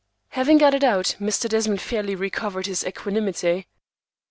Having got it out, Mr. Desmond fairly recovered his equanimity.